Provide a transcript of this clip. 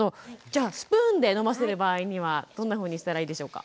じゃあスプーンで飲ませる場合にはどんなふうにしたらいいでしょうか。